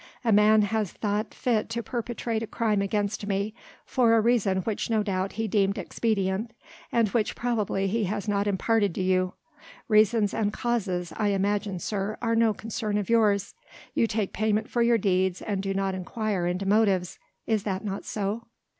A man has thought fit to perpetrate a crime against me, for a reason which no doubt he deemed expedient and which probably he has not imparted to you. Reasons and causes I imagine, sir, are no concern of yours. You take payment for your deeds and do not inquire into motives. Is that not so?"